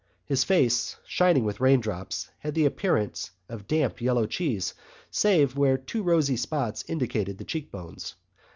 His face, shining with raindrops, had the appearance of damp yellow cheese save where two rosy spots indicated the cheekbones.